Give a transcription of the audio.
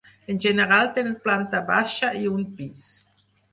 En general tenen planta baixa i un pis.